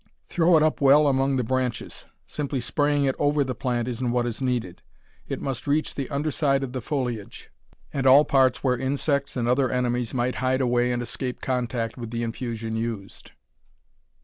Throw it up well among the branches. Simply spraying it over the plant isn't what is needed. It must reach the under side of the foliage, and all parts where insects and other enemies might hide away and escape contact with the infusion used.